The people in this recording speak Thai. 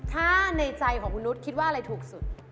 ถ้าในใจของคุณนุษย์คิดว่าอะไรถูกสุด